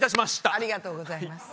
ありがとうございます。